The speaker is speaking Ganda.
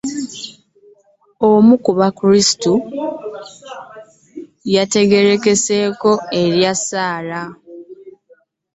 Omu ku bakrisitaayo yategeerekeseeko erya Sarah